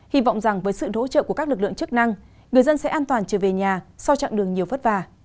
hy vọng rằng với sự hỗ trợ của các lực lượng chức năng người dân sẽ an toàn trở về nhà sau chặng đường nhiều vất vả